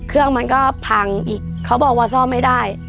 เครื่องมันก็พังอีกเขาบอกว่าซ่อมไม่ได้